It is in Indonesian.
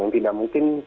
yang tidak mungkin